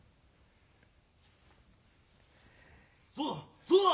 そうだそうだ！